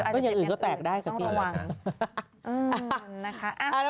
คุณแม่เดี๋ยวอาจจะแปลงอื่นต้องระวัง